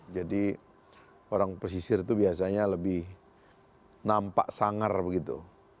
jadi orang pesisir itu biasanya lebih nampak sangar begitu